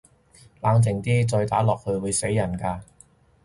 冷靜啲，再打落去會死人㗎